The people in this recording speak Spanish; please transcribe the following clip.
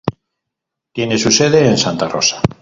Tiene su sede en Santa Rosa.